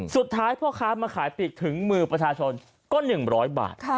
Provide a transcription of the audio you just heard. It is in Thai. สุดท้ายพ่อค้ามาขายปีกถึงมือประชาชนก็๑๐๐บาท